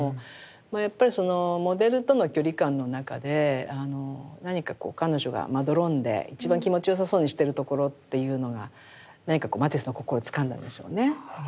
まあやっぱりそのモデルとの距離感の中で何かこう彼女がまどろんで一番気持ちよさそうにしてるところっていうのが何かこうマティスの心をつかんだんでしょうね。